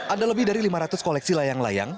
ada lebih dari lima ratus koleksi layang layang